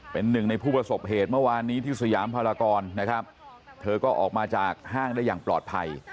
เป็นหนึ่งในผู้ประสบเหตุเมื่อวานนี้ที่สยามพลากรนะครับเธอก็ออกมาจากห้างได้อย่างปลอดภัย